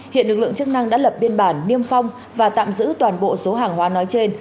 hiện lực lượng chức năng đã lập biên bản niêm phong và tạm giữ toàn bộ số hàng hóa nói trên